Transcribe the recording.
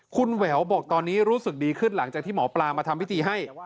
คุณแหววบอกตอนนี้รู้สึกดีขึ้นหลังจากที่หมอปลามาทำพิธีให้